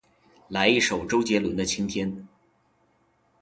来一首周杰伦的晴天